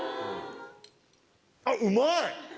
あっうまい！